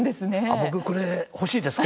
僕これ欲しいですね